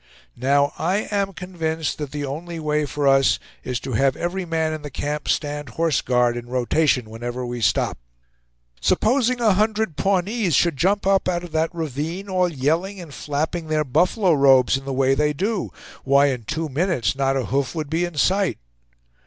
Now I am convinced that the only way for us is to have every man in the camp stand horse guard in rotation whenever we stop. Supposing a hundred Pawnees should jump up out of that ravine, all yelling and flapping their buffalo robes, in the way they do? Why, in two minutes not a hoof would be in sight."